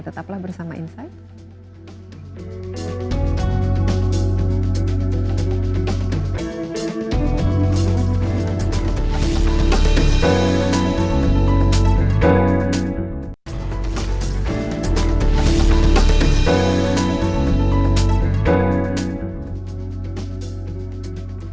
tetaplah bersama insight